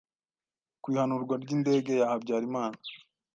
ku ihanurwa ry’indege ya Habyarimana,